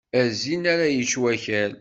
A zzin ara yečč wakal!